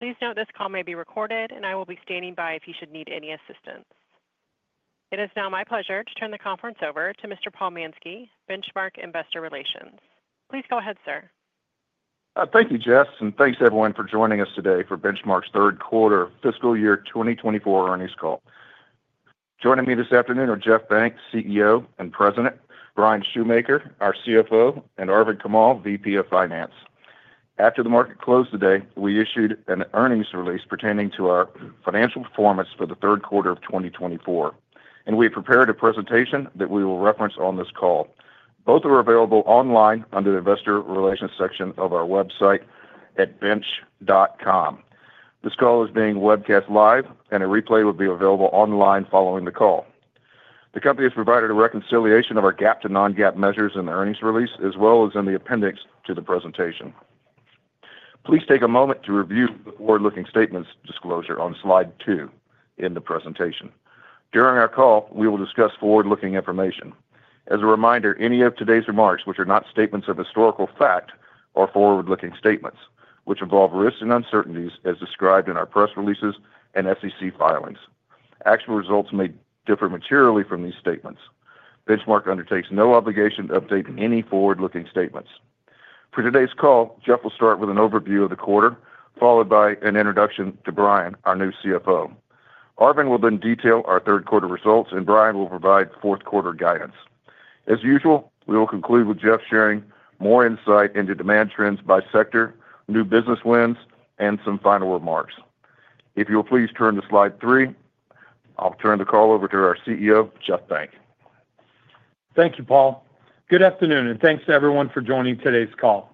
Please note this call may be recorded, and I will be standing by if you should need any assistance. It is now my pleasure to turn the conference over to Mr. Paul Mansky, Benchmark Investor Relations. Please go ahead, sir. Thank you, Jess, and thanks everyone for joining us today for Benchmark's third quarter fiscal year 2024 earnings call. Joining me this afternoon are Jeff Benck, CEO and President, Bryan Schumaker, our CFO, and Arvind Kamal, VP of Finance. After the market closed today, we issued an earnings release pertaining to our financial performance for the third quarter of 2024, and we prepared a presentation that we will reference on this call. Both are available online under the Investor Relations section of our website at bench.com. This call is being webcast live, and a replay will be available online following the call. The company has provided a reconciliation of our GAAP to non-GAAP measures in the earnings release, as well as in the appendix to the presentation. Please take a moment to review the forward-looking statements disclosure on slide two in the presentation. During our call, we will discuss forward-looking information. As a reminder, any of today's remarks, which are not statements of historical fact, are forward-looking statements, which involve risks and uncertainties as described in our press releases and SEC filings. Actual results may differ materially from these statements. Benchmark undertakes no obligation to update any forward-looking statements. For today's call, Jeff will start with an overview of the quarter, followed by an introduction to Bryan, our new CFO. Arvind will then detail our third quarter results, and Bryan will provide fourth quarter guidance. As usual, we will conclude with Jeff sharing more insight into demand trends by sector, new business wins, and some final remarks. If you'll please turn to slide three, I'll turn the call over to our CEO, Jeff Benck. Thank you, Paul. Good afternoon, and thanks to everyone for joining today's call.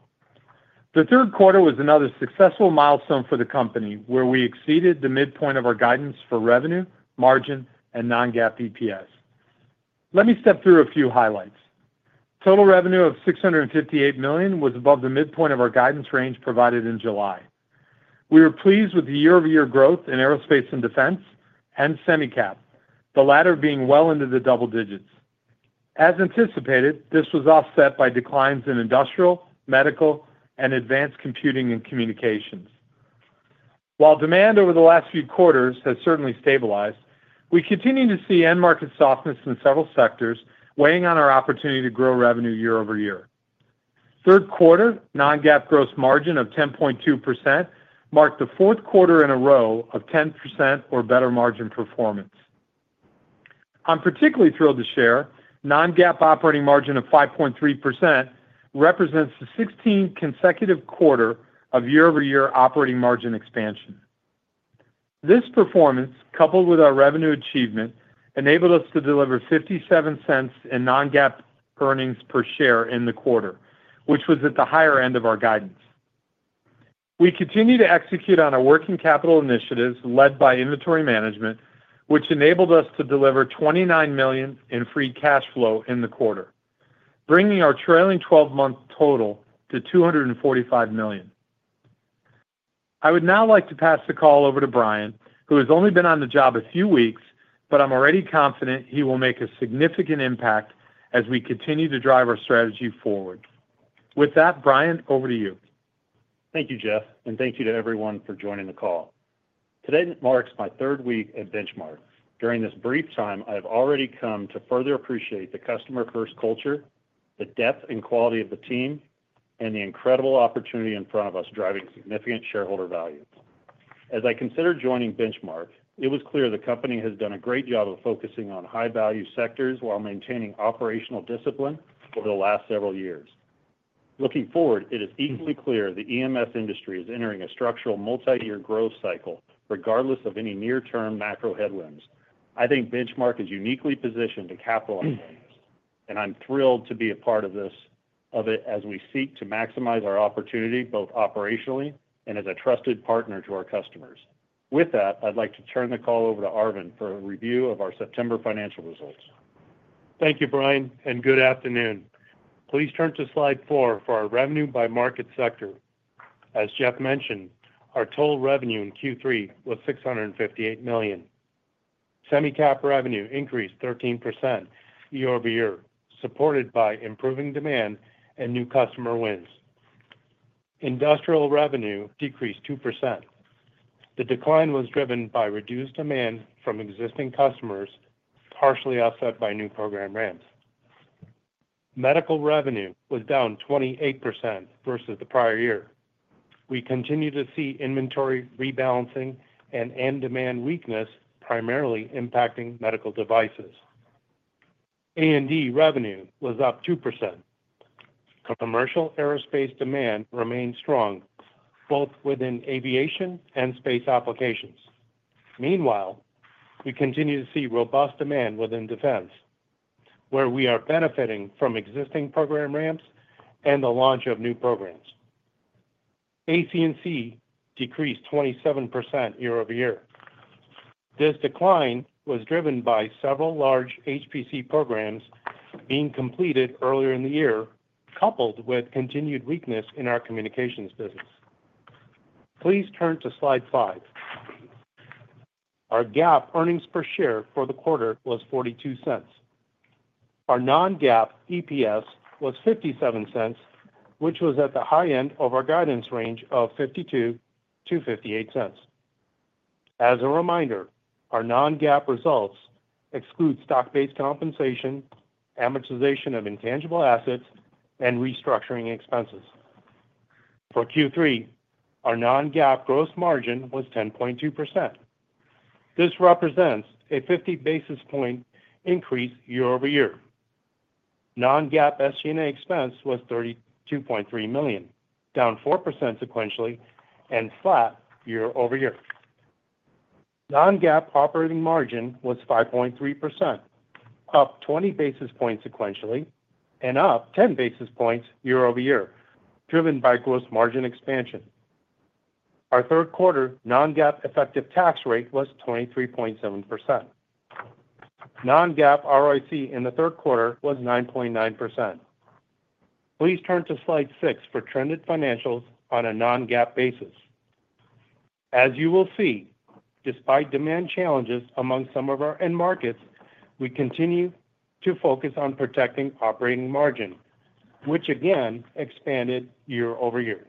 The third quarter was another successful milestone for the company, where we exceeded the midpoint of our guidance for revenue, margin, and non-GAAP EPS. Let me step through a few highlights. Total revenue of $658 million was above the midpoint of our guidance range provided in July. We were pleased with the year-over-year growth in aerospace and defense and Semi-Cap, the latter being well into the double digits. As anticipated, this was offset by declines in industrial, medical, and advanced computing and communications. While demand over the last few quarters has certainly stabilized, we continue to see end-market softness in several sectors, weighing on our opportunity to grow revenue year over year. Third quarter non-GAAP gross margin of 10.2% marked the fourth quarter in a row of 10% or better margin performance. I'm particularly thrilled to share our non-GAAP operating margin of 5.3%, which represents the 16th consecutive quarter of year-over-year operating margin expansion. This performance, coupled with our revenue achievement, enabled us to deliver $0.57 in non-GAAP earnings per share in the quarter, which was at the higher end of our guidance. We continue to execute on our working capital initiatives led by inventory management, which enabled us to deliver $29 million in free cash flow in the quarter, bringing our trailing 12-month total to $245 million. I would now like to pass the call over to Bryan, who has only been on the job a few weeks, but I'm already confident he will make a significant impact as we continue to drive our strategy forward. With that, Bryan, over to you. Thank you, Jeff, and thank you to everyone for joining the call. Today marks my third week at Benchmark. During this brief time, I have already come to further appreciate the customer-first culture, the depth and quality of the team, and the incredible opportunity in front of us, driving significant shareholder value. As I considered joining Benchmark, it was clear the company has done a great job of focusing on high-value sectors while maintaining operational discipline over the last several years. Looking forward, it is equally clear the EMS industry is entering a structural multi-year growth cycle, regardless of any near-term macro headwinds. I think Benchmark is uniquely positioned to capitalize on this, and I'm thrilled to be a part of it as we seek to maximize our opportunity both operationally and as a trusted partner to our customers. With that, I'd like to turn the call over to Arvind for a review of our September financial results. Thank you, Bryan, and good afternoon. Please turn to slide four for our revenue by market sector. As Jeff mentioned, our total revenue in Q3 was $658 million. Semicap revenue increased 13% year over year, supported by improving demand and new customer wins. Industrial revenue decreased 2%. The decline was driven by reduced demand from existing customers, partially offset by new program ramps. Medical revenue was down 28% versus the prior year. We continue to see inventory rebalancing and end demand weakness, primarily impacting medical devices. A&D revenue was up 2%. Commercial aerospace demand remained strong, both within aviation and space applications. Meanwhile, we continue to see robust demand within defense, where we are benefiting from existing program ramps and the launch of new programs. AC&C decreased 27% year over year. This decline was driven by several large HPC programs being completed earlier in the year, coupled with continued weakness in our communications business. Please turn to slide five. Our GAAP earnings per share for the quarter was $0.42. Our non-GAAP EPS was $0.57, which was at the high end of our guidance range of $0.52-$0.58. As a reminder, our non-GAAP results exclude stock-based compensation, amortization of intangible assets, and restructuring expenses. For Q3, our non-GAAP gross margin was 10.2%. This represents a 50 basis point increase year over year. Non-GAAP SG&A expense was $32.3 million, down 4% sequentially and flat year over year. Non-GAAP operating margin was 5.3%, up 20 basis points sequentially and up 10 basis points year over year, driven by gross margin expansion. Our third quarter non-GAAP effective tax rate was 23.7%. Non-GAAP ROIC in the third quarter was 9.9%. Please turn to slide six for trended financials on a non-GAAP basis. As you will see, despite demand challenges among some of our end markets, we continue to focus on protecting operating margin, which again expanded year over year.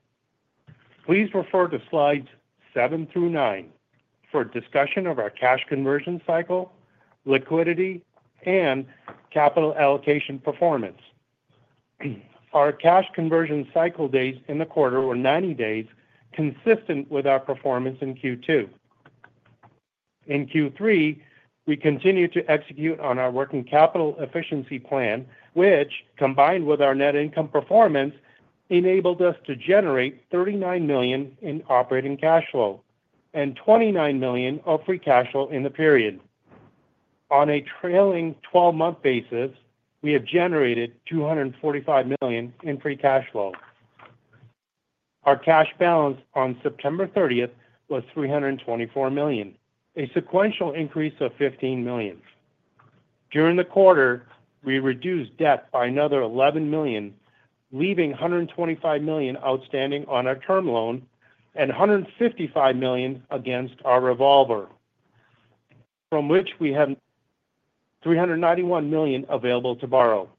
Please refer to slides seven through nine for discussion of our cash conversion cycle, liquidity, and capital allocation performance. Our cash conversion cycle days in the quarter were 90 days, consistent with our performance in Q2. In Q3, we continued to execute on our working capital efficiency plan, which, combined with our net income performance, enabled us to generate $39 million in operating cash flow and $29 million of free cash flow in the period. On a trailing 12-month basis, we have generated $245 million in free cash flow. Our cash balance on September 30th was $324 million, a sequential increase of $15 million. During the quarter, we reduced debt by another $11 million, leaving $125 million outstanding on our term loan and $155 million against our revolver, from which we have $391 million available to borrow.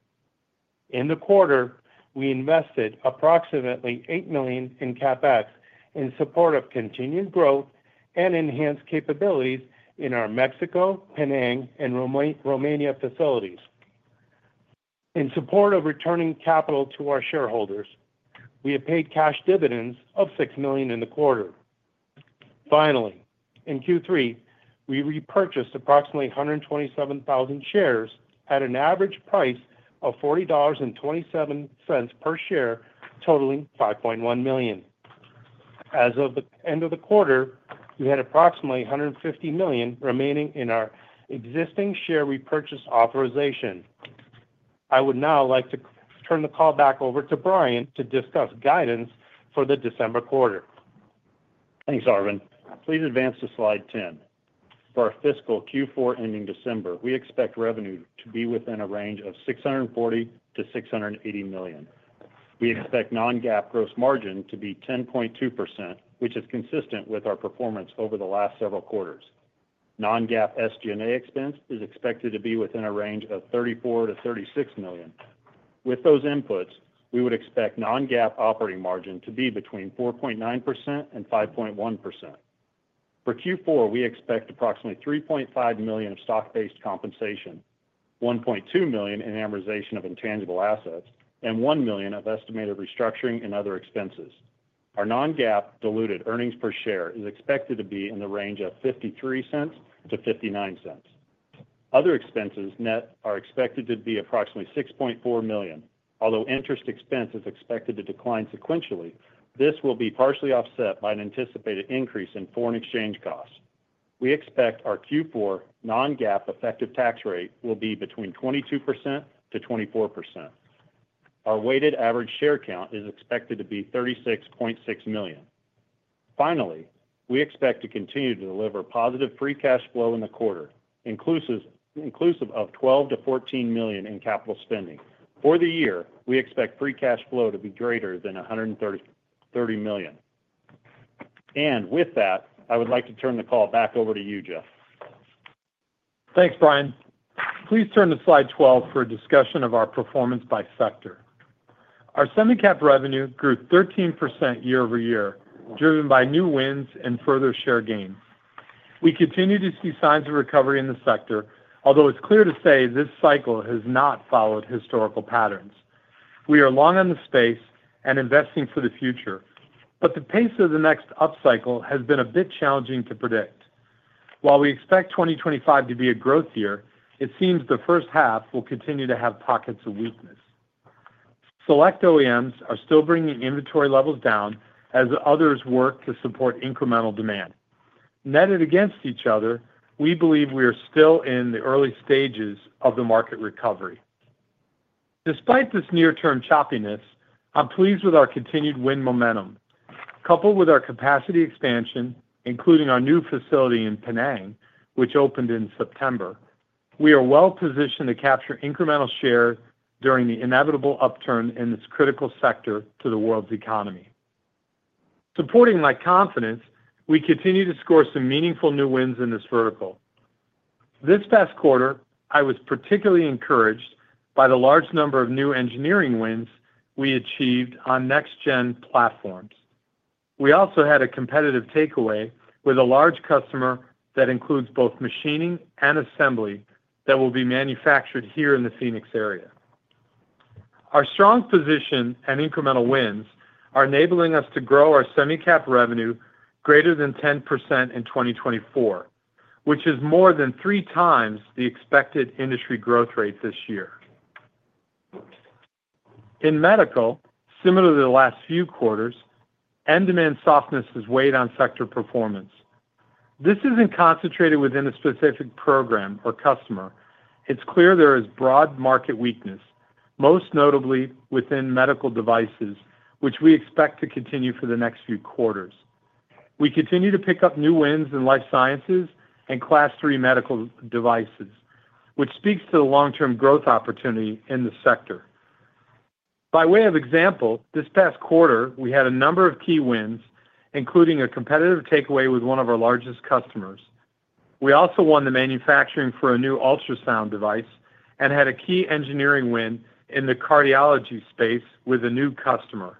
In the quarter, we invested approximately $8 million in CapEx in support of continued growth and enhanced capabilities in our Mexico, Penang, and Romania facilities. In support of returning capital to our shareholders, we have paid cash dividends of $6 million in the quarter. Finally, in Q3, we repurchased approximately 127,000 shares at an average price of $40.27 per share, totaling $5.1 million. As of the end of the quarter, we had approximately $150 million remaining in our existing share repurchase authorization. I would now like to turn the call back over to Bryan to discuss guidance for the December quarter. Thanks, Arvind. Please advance to slide ten. For our fiscal Q4 ending December, we expect revenue to be within a range of $640-$680 million. We expect non-GAAP gross margin to be 10.2%, which is consistent with our performance over the last several quarters. Non-GAAP SG&A expense is expected to be within a range of $34-$36 million. With those inputs, we would expect non-GAAP operating margin to be between 4.9% and 5.1%. For Q4, we expect approximately $3.5 million of stock-based compensation, $1.2 million in amortization of intangible assets, and $1 million of estimated restructuring and other expenses. Our non-GAAP diluted earnings per share is expected to be in the range of $0.53-$0.59. Other expenses net are expected to be approximately $6.4 million. Although interest expense is expected to decline sequentially, this will be partially offset by an anticipated increase in foreign exchange costs. We expect our Q4 non-GAAP effective tax rate will be between 22%-24%. Our weighted average share count is expected to be 36.6 million. Finally, we expect to continue to deliver positive free cash flow in the quarter, inclusive of $12-$14 million in capital spending. For the year, we expect free cash flow to be greater than $130 million. With that, I would like to turn the call back over to you, Jeff. Thanks, Bryan. Please turn to slide 12 for a discussion of our performance by sector. Our Semicap revenue grew 13% year over year, driven by new wins and further share gains. We continue to see signs of recovery in the sector, although it's safe to say this cycle has not followed historical patterns. We are long on the space and investing for the future, but the pace of the next upcycle has been a bit challenging to predict. While we expect 2025 to be a growth year, it seems the first half will continue to have pockets of weakness. Select OEMs are still bringing inventory levels down as others work to support incremental demand. Netted against each other, we believe we are still in the early stages of the market recovery. Despite this near-term choppiness, I'm pleased with our continued win momentum. Coupled with our capacity expansion, including our new facility in Penang, which opened in September, we are well positioned to capture incremental share during the inevitable upturn in this critical sector to the world's economy. Supporting that confidence, we continue to score some meaningful new wins in this vertical. This past quarter, I was particularly encouraged by the large number of new engineering wins we achieved on next-gen platforms. We also had a competitive takeaway with a large customer that includes both machining and assembly that will be manufactured here in the Phoenix area. Our strong position and incremental wins are enabling us to grow our semicap revenue greater than 10% in 2024, which is more than three times the expected industry growth rate this year. In medical, similar to the last few quarters, end demand softness has weighed on sector performance. This isn't concentrated within a specific program or customer. It's clear there is broad market weakness, most notably within medical devices, which we expect to continue for the next few quarters. We continue to pick up new wins in life sciences and Class III medical devices, which speaks to the long-term growth opportunity in the sector. By way of example, this past quarter, we had a number of key wins, including a competitive takeaway with one of our largest customers. We also won the manufacturing for a new ultrasound device and had a key engineering win in the cardiology space with a new customer.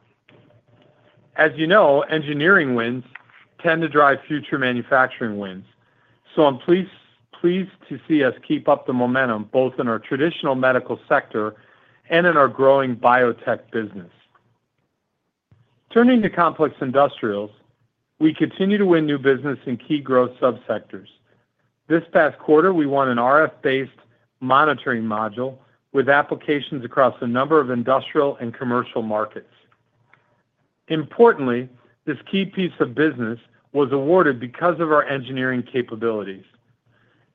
As you know, engineering wins tend to drive future manufacturing wins, so I'm pleased to see us keep up the momentum both in our traditional medical sector and in our growing biotech business. Turning to complex industrials, we continue to win new business in key growth subsectors. This past quarter, we won an RF-based monitoring module with applications across a number of industrial and commercial markets. Importantly, this key piece of business was awarded because of our engineering capabilities.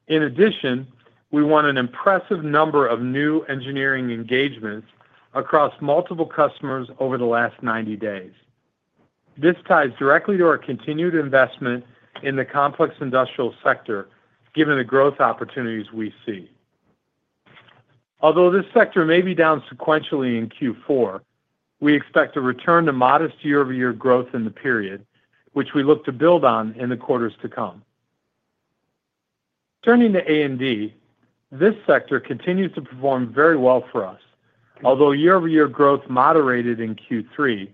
In addition, we won an impressive number of new engineering engagements across multiple customers over the last 90 days. This ties directly to our continued investment in the complex industrial sector, given the growth opportunities we see. Although this sector may be down sequentially in Q4, we expect a return to modest year-over-year growth in the period, which we look to build on in the quarters to come. Turning to A&D, this sector continues to perform very well for us. Although year-over-year growth moderated in Q3,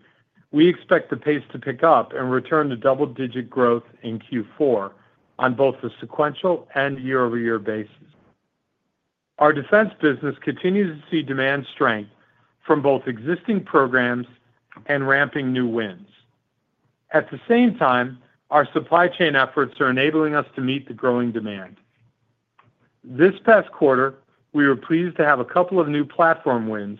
we expect the pace to pick up and return to double-digit growth in Q4 on both the sequential and year-over-year basis. Our defense business continues to see demand strength from both existing programs and ramping new wins. At the same time, our supply chain efforts are enabling us to meet the growing demand. This past quarter, we were pleased to have a couple of new platform wins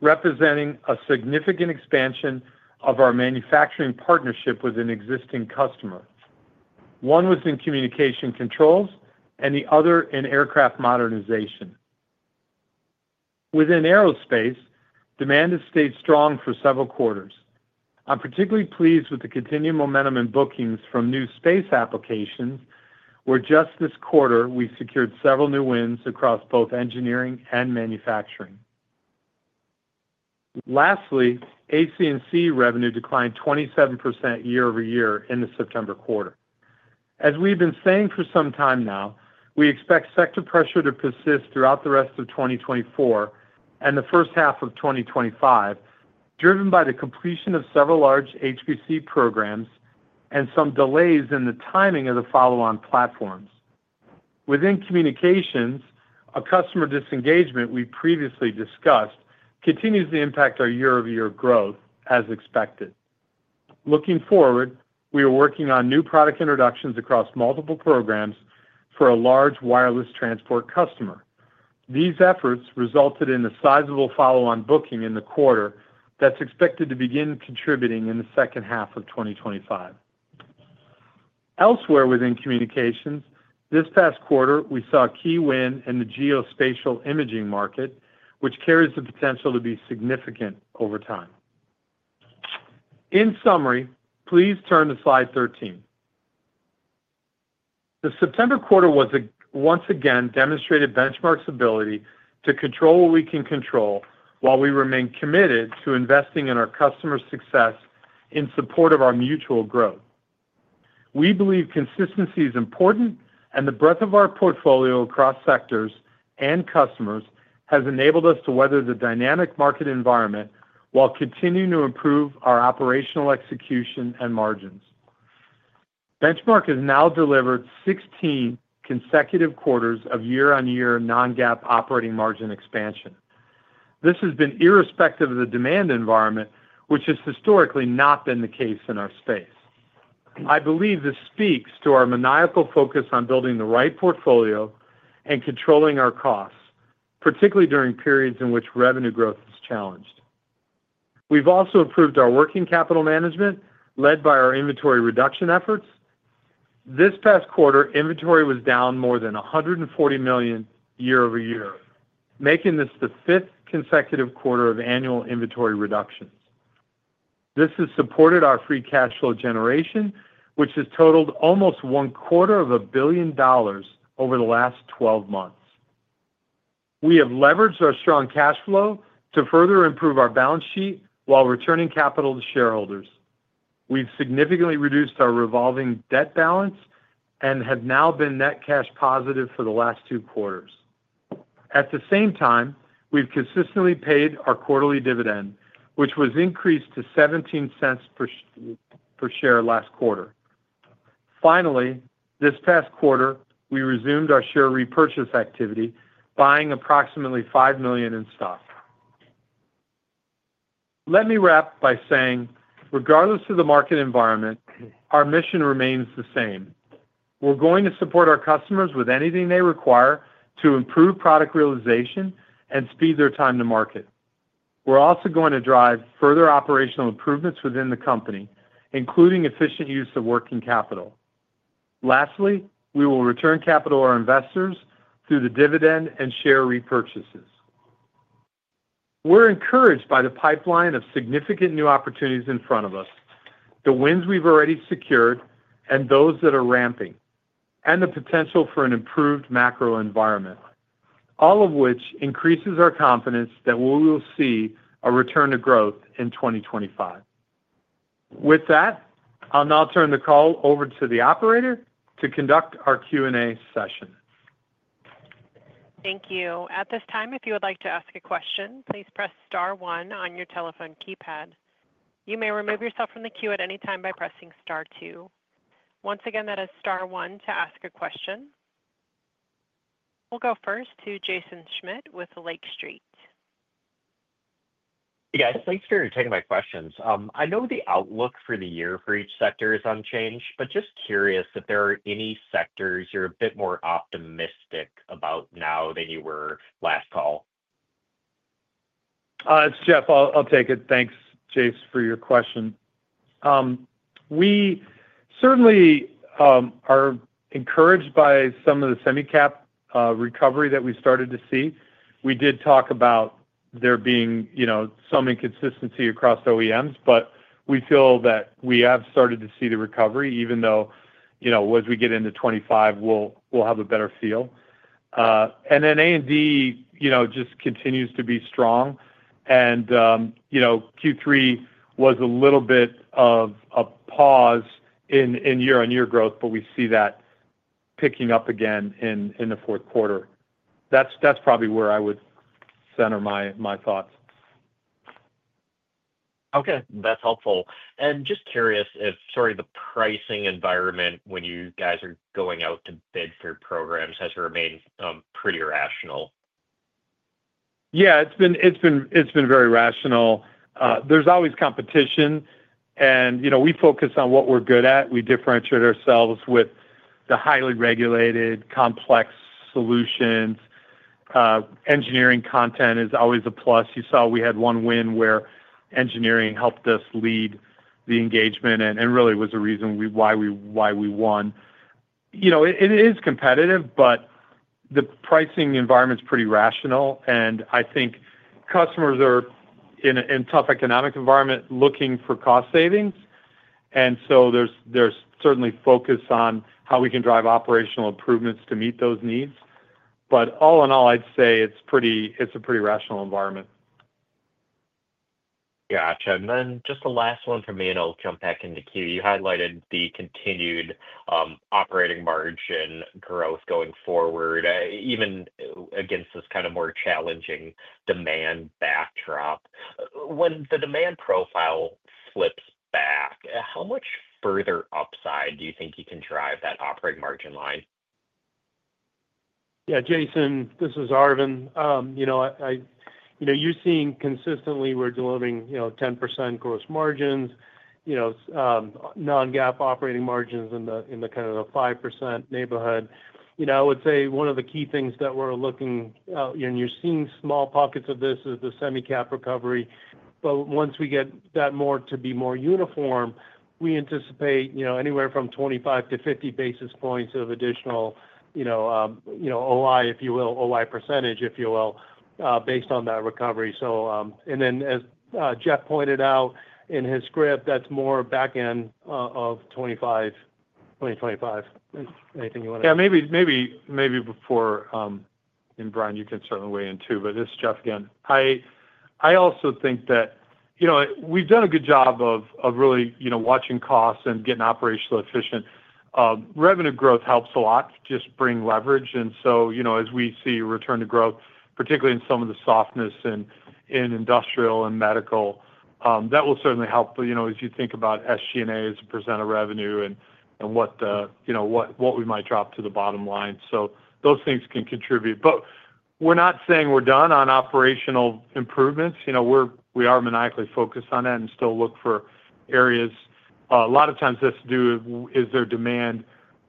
representing a significant expansion of our manufacturing partnership with an existing customer. One was in communication controls and the other in aircraft modernization. Within aerospace, demand has stayed strong for several quarters. I'm particularly pleased with the continued momentum in bookings from new space applications, where just this quarter we secured several new wins across both engineering and manufacturing. Lastly, AC&C revenue declined 27% year-over-year in the September quarter. As we've been saying for some time now, we expect sector pressure to persist throughout the rest of 2024 and the first half of 2025, driven by the completion of several large HPC programs and some delays in the timing of the follow-on platforms. Within communications, a customer disengagement we previously discussed continues to impact our year-over-year growth, as expected. Looking forward, we are working on new product introductions across multiple programs for a large wireless transport customer. These efforts resulted in a sizable follow-on booking in the quarter that's expected to begin contributing in the second half of 2025. Elsewhere within communications, this past quarter we saw a key win in the geospatial imaging market, which carries the potential to be significant over time. In summary, please turn to slide 13. The September quarter once again demonstrated Benchmark's ability to control what we can control while we remain committed to investing in our customer success in support of our mutual growth. We believe consistency is important, and the breadth of our portfolio across sectors and customers has enabled us to weather the dynamic market environment while continuing to improve our operational execution and margins. Benchmark has now delivered 16 consecutive quarters of year-on-year non-GAAP operating margin expansion. This has been irrespective of the demand environment, which has historically not been the case in our space. I believe this speaks to our maniacal focus on building the right portfolio and controlling our costs, particularly during periods in which revenue growth is challenged. We've also improved our working capital management led by our inventory reduction efforts. This past quarter, inventory was down more than $140 million year-over-year, making this the fifth consecutive quarter of annual inventory reductions. This has supported our free cash flow generation, which has totaled almost $250 million over the last 12 months. We have leveraged our strong cash flow to further improve our balance sheet while returning capital to shareholders. We've significantly reduced our revolving debt balance and have now been net cash positive for the last two quarters. At the same time, we've consistently paid our quarterly dividend, which was increased to $0.17 per share last quarter. Finally, this past quarter, we resumed our share repurchase activity, buying approximately $5 million in stock. Let me wrap by saying, regardless of the market environment, our mission remains the same. We're going to support our customers with anything they require to improve product realization and speed their time to market. We're also going to drive further operational improvements within the company, including efficient use of working capital. Lastly, we will return capital to our investors through the dividend and share repurchases. We're encouraged by the pipeline of significant new opportunities in front of us, the wins we've already secured and those that are ramping, and the potential for an improved macro environment, all of which increases our confidence that we will see a return to growth in 2025. With that, I'll now turn the call over to the operator to conduct our Q&A session. Thank you. At this time, if you would like to ask a question, please press star one on your telephone keypad. You may remove yourself from the queue at any time by pressing star two. Once again, that is star one to ask a question. We'll go first to Jaeson Schmidt with Lake Street. Hey, guys. Thanks for taking my questions. I know the outlook for the year for each sector is unchanged, but just curious if there are any sectors you're a bit more optimistic about now than you were last call. It's Jeff. I'll take it. Thanks, Jason, for your question. We certainly are encouraged by some of the semicap recovery that we started to see. We did talk about there being some inconsistency across OEMs, but we feel that we have started to see the recovery, even though as we get into 2025, we'll have a better feel, and then A&D just continues to be strong, and Q3 was a little bit of a pause in year-on-year growth, but we see that picking up again in the fourth quarter. That's probably where I would center my thoughts. Okay. That's helpful. And just curious if, sorry, the pricing environment when you guys are going out to bid for programs has remained pretty rational? Yeah, it's been very rational. There's always competition, and we focus on what we're good at. We differentiate ourselves with the highly regulated complex solutions. Engineering content is always a plus. You saw we had one win where engineering helped us lead the engagement and really was the reason why we won. It is competitive, but the pricing environment's pretty rational. And I think customers are in a tough economic environment looking for cost savings. And so there's certainly focus on how we can drive operational improvements to meet those needs. But all in all, I'd say it's a pretty rational environment. Gotcha. And then just the last one for me, and I'll jump back into queue. You highlighted the continued operating margin growth going forward, even against this kind of more challenging demand backdrop. When the demand profile flips back, how much further upside do you think you can drive that operating margin line? Yeah, Jason, this is Arvind. You're seeing consistently we're delivering 10% gross margins, non-GAAP operating margins in the kind of 5% neighborhood. I would say one of the key things that we're looking at, and you're seeing small pockets of this is the semicap recovery. But once we get that more to be more uniform, we anticipate anywhere from 25-50 basis points of additional OI, if you will, OI percentage, if you will, based on that recovery. And then, as Jeff pointed out in his script, that's more back end of 2025. Anything you want to add? Yeah, maybe before, and Bryan, you can certainly weigh in too, but this is Jeff again. I also think that we've done a good job of really watching costs and getting operationally efficient. Revenue growth helps a lot, just bring leverage. And so as we see return to growth, particularly in some of the softness in industrial and medical, that will certainly help as you think about SG&A as a % of revenue and what we might drop to the bottom line. So those things can contribute. But we're not saying we're done on operational improvements. We are maniacally focused on that and still look for areas. A lot of times this is their demand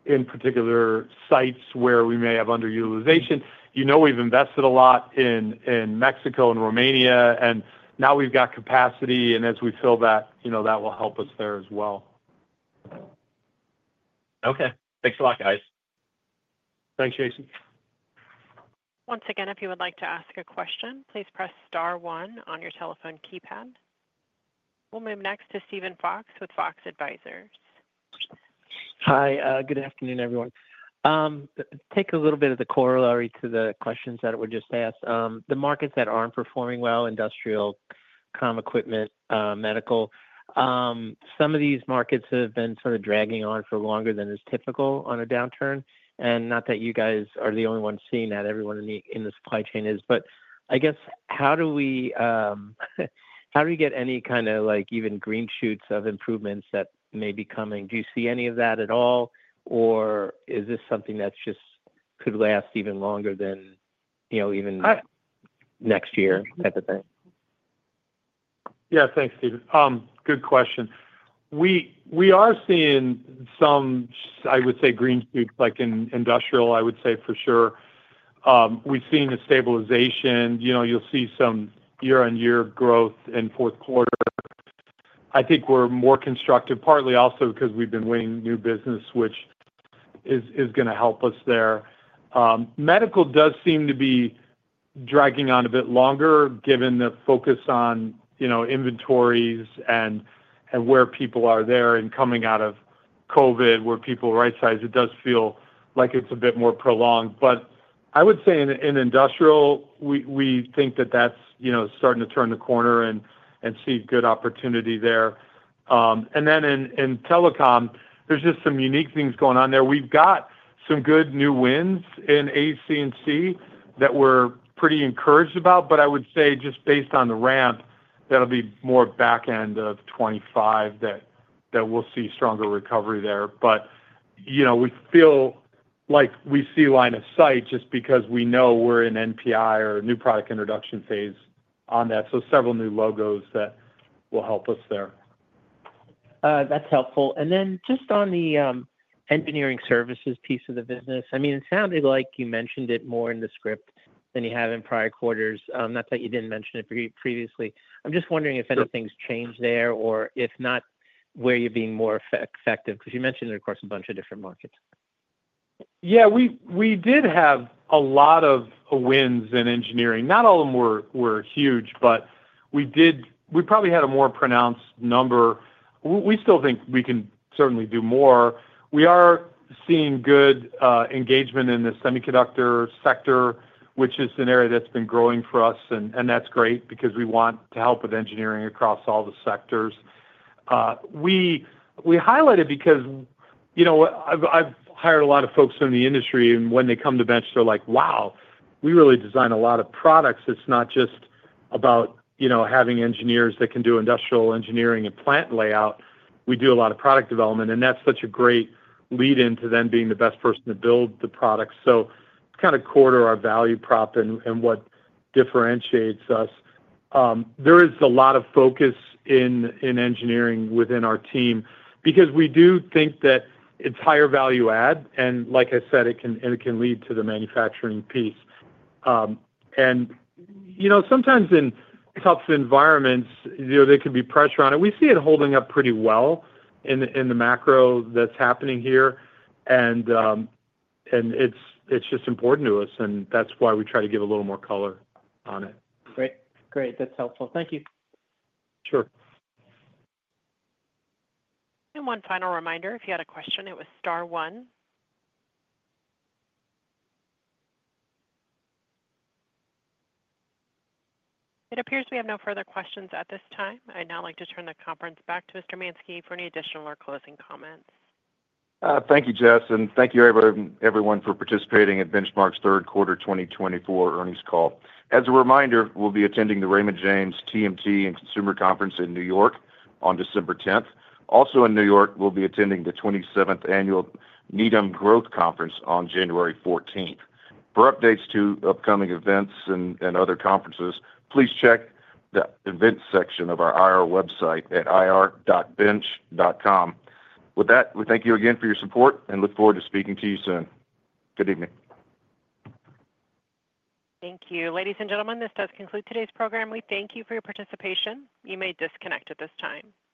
in particular sites where we may have underutilization. We've invested a lot in Mexico and Romania, and now we've got capacity. And as we fill that, that will help us there as well. Okay. Thanks a lot, guys. Thanks, Jason. Once again, if you would like to ask a question, please press Star 1 on your telephone keypad. We'll move next to Steven Fox with Fox Advisors. Hi. Good afternoon, everyone. Take a little bit of the corollary to the questions that were just asked. The markets that aren't performing well, industrial, com equipment, medical, some of these markets have been sort of dragging on for longer than is typical on a downturn. And not that you guys are the only one seeing that. Everyone in the supply chain is. But I guess how do we get any kind of even green shoots of improvements that may be coming? Do you see any of that at all, or is this something that just could last even longer than even next year type of thing? Yeah. Thanks, Steven. Good question. We are seeing some, I would say, green shoots in industrial, I would say for sure. We've seen a stabilization. You'll see some year-on-year growth in fourth quarter. I think we're more constructive, partly also because we've been winning new business, which is going to help us there. Medical does seem to be dragging on a bit longer, given the focus on inventories and where people are there and coming out of COVID, where people rightsize. It does feel like it's a bit more prolonged. But I would say in industrial, we think that that's starting to turn the corner and see good opportunity there. And then in telecom, there's just some unique things going on there. We've got some good new wins in AC&C that we're pretty encouraged about. But I would say just based on the ramp, that'll be more back end of 2025 that we'll see stronger recovery there. But we feel like we see line of sight just because we know we're in NPI or new product introduction phase on that. So several new logos that will help us there. That's helpful. And then just on the engineering services piece of the business, I mean, it sounded like you mentioned it more in the script than you have in prior quarters. Not that you didn't mention it previously. I'm just wondering if anything's changed there or if not, where you're being more effective because you mentioned, of course, a bunch of different markets? Yeah. We did have a lot of wins in engineering. Not all of them were huge, but we probably had a more pronounced number. We still think we can certainly do more. We are seeing good engagement in the semiconductor sector, which is an area that's been growing for us. And that's great because we want to help with engineering across all the sectors. We highlight it because I've hired a lot of folks in the industry, and when they come to bench, they're like, "Wow, we really design a lot of products." It's not just about having engineers that can do industrial engineering and plant layout. We do a lot of product development, and that's such a great lead-in to them being the best person to build the product. So it's kind of core to our value prop and what differentiates us. There is a lot of focus in engineering within our team because we do think that it's higher value-add, and like I said, it can lead to the manufacturing piece. Sometimes in tough environments, there can be pressure on it. We see it holding up pretty well in the macro that's happening here. It's just important to us, and that's why we try to give a little more color on it. Great. Great. That's helpful. Thank you. Sure. One final reminder, if you had a question, it was Star 1. It appears we have no further questions at this time. I'd now like to turn the conference back to Mr. Mansky for any additional or closing comments. Thank you, Jeff, and thank you, everyone, for participating in Benchmark's third quarter 2024 earnings call. As a reminder, we'll be attending the Raymond James TMT and Consumer Conference in New York on December 10th. Also in New York, we'll be attending the 27th Annual Needham Growth Conference on January 14th. For updates to upcoming events and other conferences, please check the events section of our IR website at ir.bench.com. With that, we thank you again for your support and look forward to speaking to you soon. Good evening. Thank you. Ladies and gentlemen, this does conclude today's program. We thank you for your participation. You may disconnect at this time.